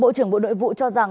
bộ trưởng bộ nội vụ cho rằng